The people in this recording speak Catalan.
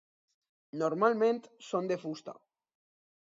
Normalment són de fusta.